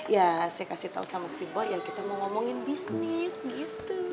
ya saya kasih tahu sama si bo ya kita mau ngomongin bisnis gitu